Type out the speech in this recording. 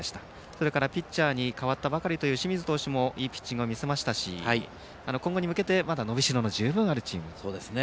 それからピッチャーに変わったばかりという清水投手もいいピッチングを見せましたし今後に向けて伸びしろのあるチームですね。